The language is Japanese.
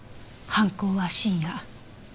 犯行は深夜。